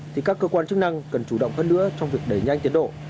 thì các cơ quan chức năng cần chủ động hơn nữa trong việc đẩy nhanh tiến độ